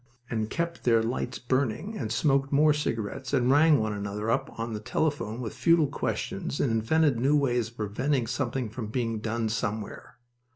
and kept their lights burning, and smoked more cigarettes, and rang one another up on the telephone with futile questions, and invented new ways of preventing something from being down somewhere.